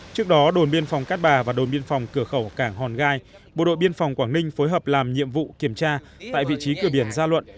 trước đó đồn biên phòng cát bà và đồn biên phòng cửa khẩu cảng hòn gai bộ đội biên phòng quảng ninh phối hợp làm nhiệm vụ kiểm tra tại vị trí cửa biển gia luận